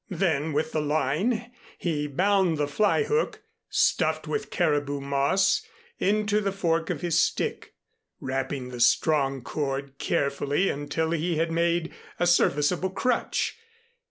Then with the line, he bound the fly hook, stuffed with caribou moss, into the fork of his stick, wrapping the strong cord carefully until he had made a serviceable crutch.